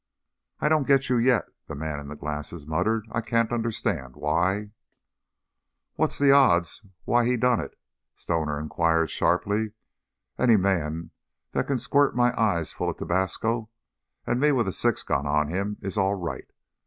"I don't get you yet," the man in glasses muttered. "I can't understand why " "What's the odds why he done it?" Stoner inquired, sharply. "Any man that can squirt my eyes full of tobasco, and me with a six gun on him, is all right.